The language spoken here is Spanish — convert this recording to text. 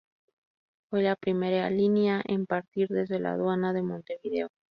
Fue la primera línea en partir desde la Aduana de Montevideo.